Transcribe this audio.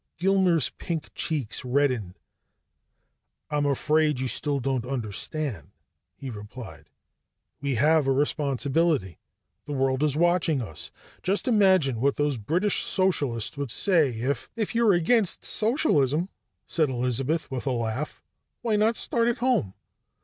Gilmer's pink cheeks reddened. "I'm afraid you still don't understand," he replied. "We have a responsibility. The world is watching us. Just imagine what those British Socialists would say if " "If you're against socialism," said Elizabeth with a laugh, "why not start at home?